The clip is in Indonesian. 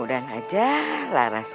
mudah mudahan aja laras